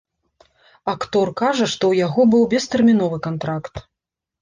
Актор кажа, што ў яго быў бестэрміновы кантракт.